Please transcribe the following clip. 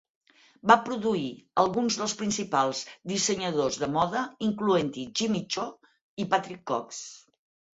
Va produir alguns dels principals dissenyadors de moda, incloent-hi Jimmy Choo i Patrick Cox.